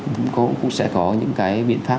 cũng sẽ có những cái biện pháp